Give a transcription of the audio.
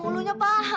mana pengulunya pak